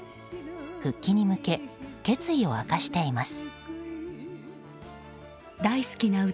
復帰に向け決意を明かしています。